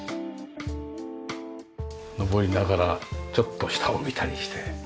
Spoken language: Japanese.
上りながらちょっと下を見たりして。